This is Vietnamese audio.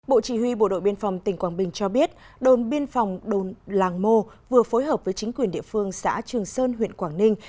bộ chỉ huy bộ đội biên phòng tỉnh quảng bình cho biết đồn biên phòng đồn làng mô vừa phối hợp với chính quyền địa phương xã trường sơn huyện quảng ninh